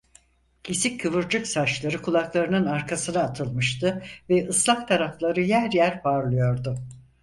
Kesik kıvırcık saçları kulaklarının arkasına atılmıştı ve ıslak tarafları yer yer parlıyordu.